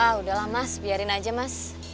wah udahlah mas biarin aja mas